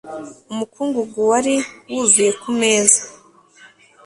Umukungugu wari wuzuye ku meza